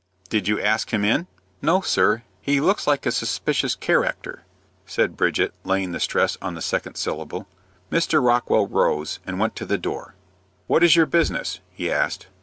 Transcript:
"Did you ask him in?" "No sir. He looks like a suspicious carakter," said Bridget, laying the stress on the second syllable. Mr. Rockwell rose, and went to the door. "What is your business?" he asked.